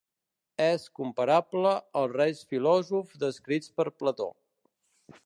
És comparable als reis filòsofs descrits per Plató.